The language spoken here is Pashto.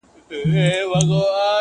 ماویل زه به د سپېدو پر اوږو٫